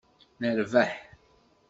Nerbaḥ!